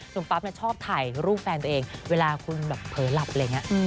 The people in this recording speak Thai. ปั๊บชอบถ่ายรูปแฟนตัวเองเวลาคุณแบบเผลอหลับอะไรอย่างนี้